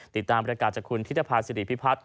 ติดตามประกาศจากคุณธิตภาษิริพิพัฒน์